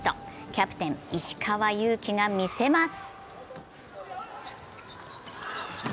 キャプテン・石川祐希が見せます。